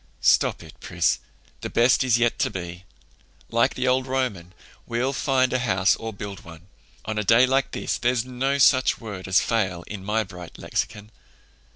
"Stop it, Pris. 'The best is yet to be.' Like the old Roman, we'll find a house or build one. On a day like this there's no such word as fail in my bright lexicon."